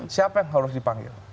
siapa yang harus dipanggil